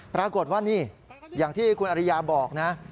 ปรากฏว่านี่อย่างที่คุณอริยาบอกนะ